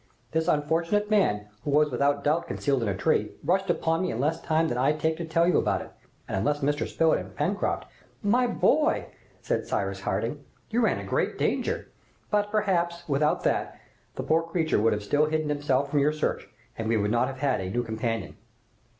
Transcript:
This unfortunate man, who was without doubt concealed in a tree, rushed upon me in less time than I take to tell you about it, and unless Mr. Spilett and Pencroft " "My boy!" said Cyrus Harding, "you ran a great danger, but, perhaps, without that, the poor creature would have still hidden himself from your search, and we should not have had a new companion."